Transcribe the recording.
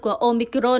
của các loại vaccine này